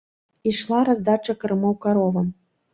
Ішла раздача кармоў каровам.